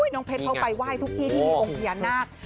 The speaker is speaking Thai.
น้องเพชรเขาไปไหว้ทุกที่ที่มีองค์พญานาค